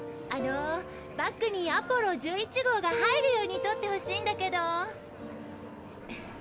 バックにアポロ１１号が入るようにとってほしいんだけど。